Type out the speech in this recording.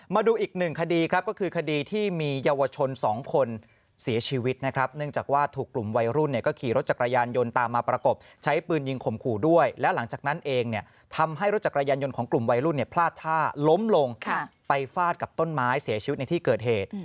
มาดูอีกหนึ่งคดีครับก็คือคดีที่มีเยาวชนสองคนเสียชีวิตนะครับเนื่องจากว่าถูกกลุ่มวัยรุ่นเนี่ยก็ขี่รถจักรยานยนต์ตามมาประกบใช้ปืนยิงข่มขู่ด้วยและหลังจากนั้นเองเนี่ยทำให้รถจักรยานยนต์ของกลุ่มวัยรุ่นเนี่ยพลาดท่าล้มลงไปฟาดกับต้นไม้เสียชีวิตในที่เกิดเหตุ